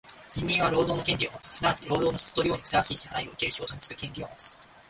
人民は労働の権利をもつ。すなわち労働の質と量にふさわしい支払をうける仕事につく権利をもつ。